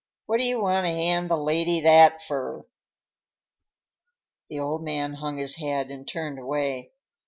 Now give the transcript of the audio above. What do you want to hand the lady that fur?" The old man hung his head and turned away.